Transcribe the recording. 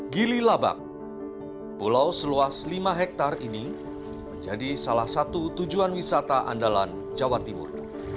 gili labak pulau seluas lima hektare ini menjadi salah satu tujuan wisata andalan jawa timur